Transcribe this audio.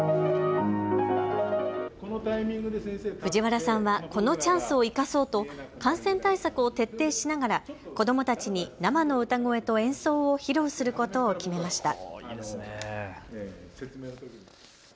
藤原さんはこのチャンスを生かそうと感染対策を徹底しながら子どもたちに生の歌声と演奏を披露することを決めました。